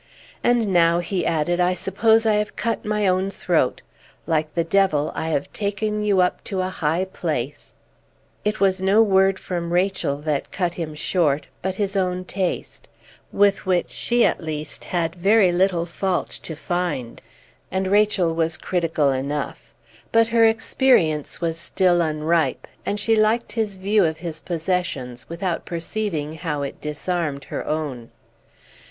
And now," he added, "I suppose I have cut my own throat! Like the devil, I have taken you up to a high place " It was no word from Rachel that cut him short, but his own taste, with which she at least had very little fault to find. And Rachel was critical enough; but her experience was still unripe, and she liked his view of his possessions, without perceiving how it disarmed her own.